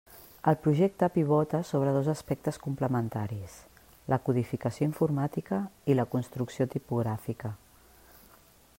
El projecte pivota sobre dos aspectes complementaris: la codificació informàtica i la construcció tipogràfica.